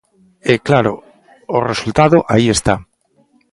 E, claro, o resultado aí está.